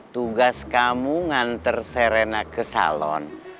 tugas kamu nganter serena ke salon